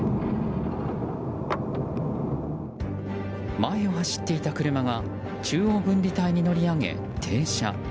前を走っていた車が中央分離帯に乗り上げ停車。